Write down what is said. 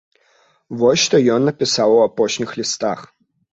Вось што ён напісаў у апошніх лістах.